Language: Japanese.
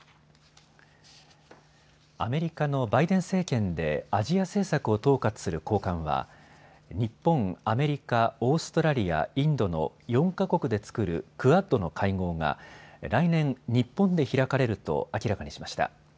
アメリカのバイデン政権でアジア政策を統括する高官は日本、アメリカ、オーストラリア、インドの４か国で作るクアッドの会合が来年、日本で開かれると明らかにしました。